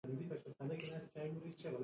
ځینې خپلواکي تخصصي سازمانونو فعالیت کاو.